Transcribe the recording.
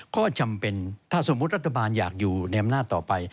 ก็จำเป็นถ้าสมมุติรัฐบาลอยากอยู่ในอำนาจต่อไป